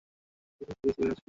ঠিক আছে, ঠিক আছে, জেগে গেছি!